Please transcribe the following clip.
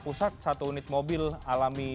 pusat satu unit mobil alami